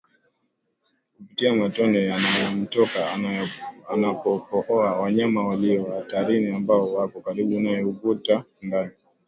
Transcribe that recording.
kupitia matone yanayomtoka anapokohoa Wanyama walio hatarini ambao wako karibu naye huvuta ndani